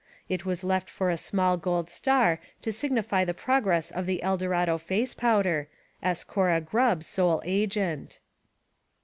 It was left for a small gold star to signify the progress of the Eldorado face powder, S. Cora Grubb, sole agent.